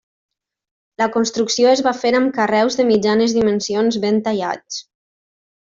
La construcció es va fer amb carreus de mitjanes dimensions ben tallats.